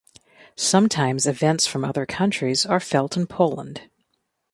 Sometimes events from other countries are felt in Poland.